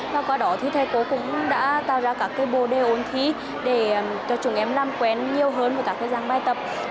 và qua đó thì thầy cô cũng đã tạo ra các bồ đề ôn thi để cho chúng em làm quen nhiều hơn với các dạng bài tập